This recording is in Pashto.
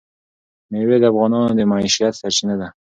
مېوې د افغانانو د معیشت سرچینه ده.